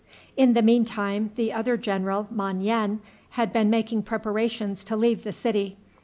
In the mean time, the other general, Mon yen, had been making preparations to leave the city.